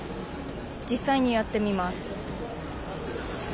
実際にやってみます。